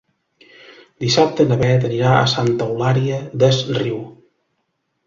Dissabte na Beth anirà a Santa Eulària des Riu.